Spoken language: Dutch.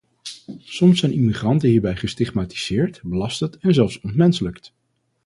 Soms zijn immigranten hierbij gestigmatiseerd, belasterd en zelfs ontmenselijkt.